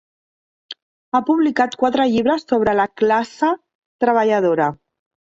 Ha publicat quatre llibres sobre la classe treballadora.